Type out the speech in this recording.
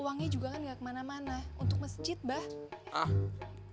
uangnya juga kan gak kemana mana untuk masjid ba